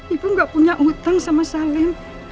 ibu gak punya hutang sama salim